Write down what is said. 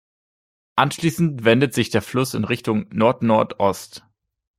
Anschließend wendet sich der Fluss in Richtung Nordnordost.